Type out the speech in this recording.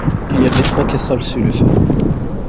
il y avait trois casseroles sur le feu.